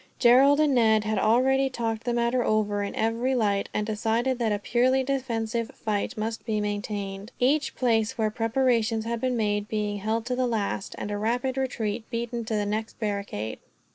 Gerald and Ned had already talked the matter over in every light, and decided that a purely defensive fight must be maintained; each place where preparations had been made being held to the last, and a rapid retreat beaten to the next barricade.